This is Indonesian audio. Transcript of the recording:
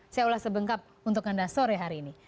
saya ulas sebengkap untuk anda sore hari ini